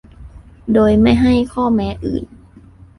โดยไม่ให้ข้อแม้อื่น